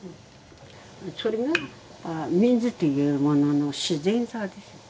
それがミズというものの自然さでしょ。